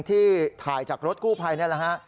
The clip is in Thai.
ที่ถ่ายจากรถกู้ภัยนี่แหละฮะ